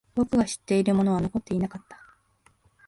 僕が知っているものは残っていなかった。